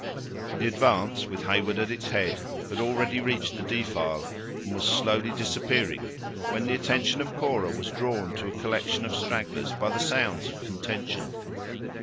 The advance, with Heyward at its head, had already reached the defile, and was slowly disappearing, when the attention of Cora was drawn to a collection of stragglers by the sounds of contention.